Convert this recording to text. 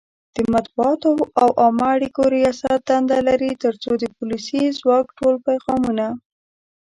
د مطبوعاتو او عامه اړیکو ریاست دنده لري ترڅو د پولیسي ځواک ټول پیغامونه